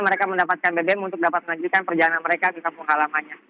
mereka mendapatkan bbm untuk dapat melanjutkan perjalanan mereka ke kampung halamannya